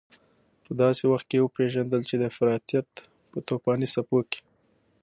په داسې وخت کې وپېژندل چې د افراطيت په توپاني څپو کې.